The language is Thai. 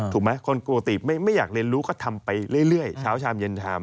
ถูกไหมคนปกติไม่อยากเรียนรู้ก็ทำไปเรื่อยเช้าชามเย็นชาม